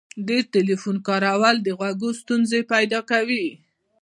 ډیر ټلیفون کارول د غوږو ستونزي پیدا کوي.